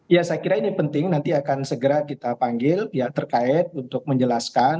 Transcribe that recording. ya saya kira ini penting nanti akan segera kita panggil pihak terkait untuk menjelaskan